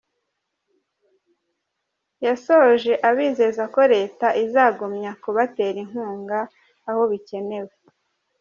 Yasoje abizeza ko Leta izagumya kubatera inkunga aho bikenewe.